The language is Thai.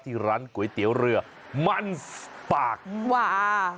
ที่ร้านก๋วยเตี๋ยวเรือมันปากวา